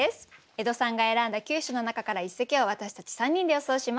江戸さんが選んだ９首の中から一席を私たち３人で予想します。